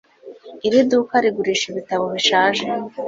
Iri duka rigurisha ibitabo bishaje